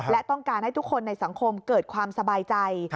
และต้องการให้ทุกคนในสังคมเกิดความสบายใจ